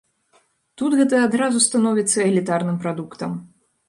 Тут гэта адразу становіцца элітарным прадуктам.